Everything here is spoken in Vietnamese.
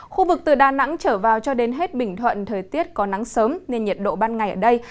khu vực từ đà nẵng trở vào cho đến hết bình thuận thời tiết có nắng sớm nên nhiệt độ ban ngày ở đây